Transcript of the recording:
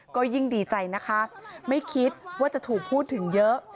ก็ยิ่งดีใจนะคะไม่คิดว่าจะถูกพูดถึงเยอะ